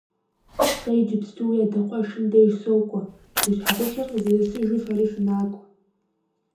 Сэ иджыпсту уи адэ къуэшым деж сокӀуэ, уи щхьэгъусэр къызэрысыжу фэри фынакӀуэ.